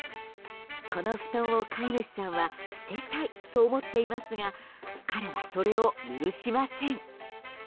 この布団を飼い主さんは捨てたいと思っていますが彼はそれを許しません。